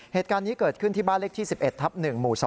เหตุการณ์นี้เกิดขึ้นที่บ้านเลขที่๑๑ทับ๑หมู่๒